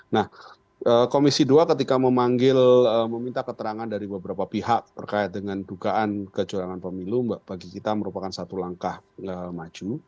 nah komisi dua ketika memanggil meminta keterangan dari beberapa pihak terkait dengan dugaan kecurangan pemilu bagi kita merupakan satu langkah maju